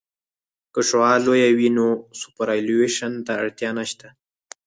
که شعاع لویه وي نو سوپرایلیویشن ته اړتیا نشته